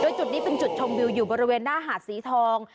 จุดนี้เป็นจุดชมวิวอยู่บริเวณหน้าหาดสีทอง